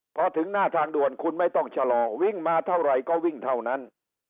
พอถึงหน้าทางด่วนคุณไม่ต้องชะลอวิ่งมาเท่าไหร่ก็วิ่งเท่านั้น